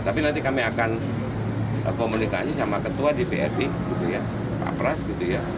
tapi nanti kami akan komunikasi sama ketua dprd gitu ya pak pras gitu ya